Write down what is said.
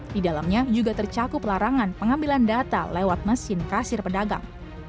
di dalamnya juga tercakup larangan pengambilan data lewat mesin kasir pedagang